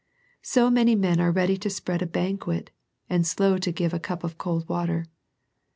So many men are ready to spread a banquet, and slow to give a cup of cold water.